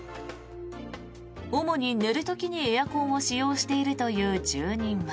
主に寝る時にエアコンを使用しているという住人は。